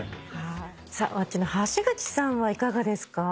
ｗａｃｃｉの橋口さんはいかがですか？